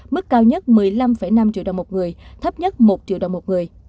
mức cao nhất một mươi năm năm triệu đồng một người thấp nhất một triệu đồng một người